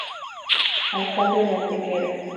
Alcalde de Antequera.